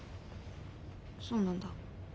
そうなんだ。